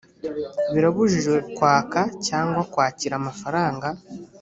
birabujijwe kwaka cyangwa kwakira amafaranga